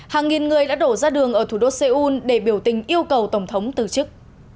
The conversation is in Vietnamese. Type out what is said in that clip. hàng nghìn người đã đổ ra đường ở thủ đô seoul để biểu tình yêu cầu tổng thống từ chức